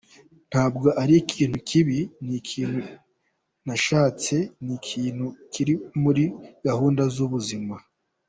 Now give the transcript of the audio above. Ntabwo ari ikintu kibi, ni ikintu nashatse, ni ikintu kiri muri gahunda z’ubuzima.